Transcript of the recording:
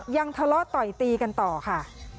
ยังทะเลาะต่อยตีกันต่อค่ะ